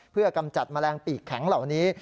เพื่อกำจัดแมลงปีกแข็งเหล่านี้